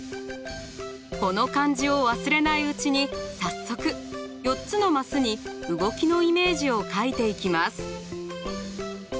この感じを忘れないうちに早速４つのマスに動きのイメージを描いていきます。